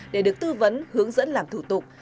để được tư vấn hướng dẫn làm thủ tục